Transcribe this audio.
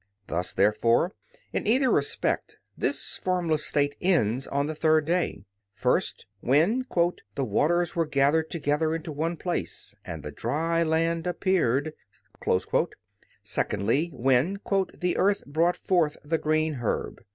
Thus, therefore, in either respect this formless state ends on the third day: first, when "the waters were gathered together into one place and the dry land appeared"; secondly, when "the earth brought forth the green herb."